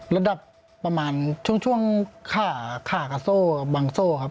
ระดับประมาณช่วงขาขากับโซ่บางโซ่ครับ